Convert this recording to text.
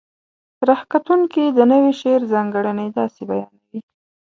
ره کتونکي د نوي شعر ځانګړنې داسې بیانوي: